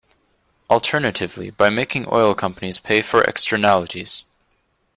Alternatively, by making oil companies pay for externalities.